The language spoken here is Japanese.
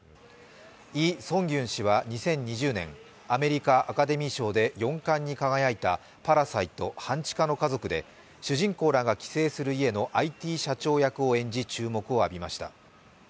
イ・ソンギュン氏は２０２０年、アメリカ・アカデミー賞で４冠に輝いた「パラサイト半地下の家族」で主人公らが寄生する家のＩＴ社長役を演じ、注目を浴びました。